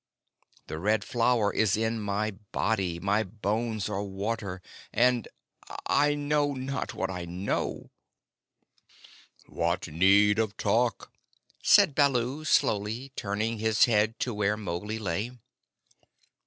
The Red Flower is in my body, my bones are water and I know not what I know." "What need of talk?" said Baloo slowly, turning his head to where Mowgli lay.